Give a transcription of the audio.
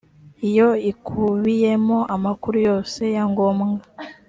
iyo ikubiyemo amakuru yose ya ngombwa